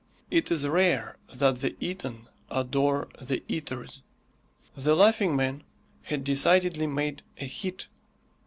It is rare that the eaten adore the eaters. The Laughing Man had decidedly made a hit.